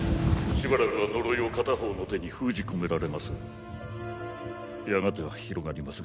しばらくは呪いを片方の手に封じ込められます